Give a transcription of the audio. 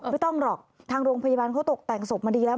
ไม่ต้องหรอกทางโรงพยาบาลเขาตกแต่งศพมาดีแล้ว